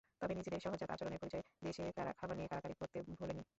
তবে নিজেদের সহজাত আচরণের পরিচয় দিয়েছে তারা, খাবার নিয়ে কাড়াকাড়ি করতে ভোলেনি।